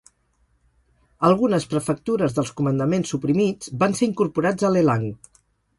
Algunes prefectures dels comandaments suprimits van ser incorporats a Lelang.